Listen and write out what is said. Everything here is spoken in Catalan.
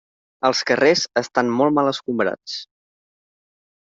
Els carrers estan molt mal escombrats.